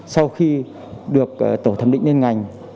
sau khi được tổ thẩm định lên ngành